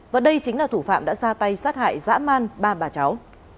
và đây chính là thủ phạm đã ra tay sát hại dã man ba bà cháu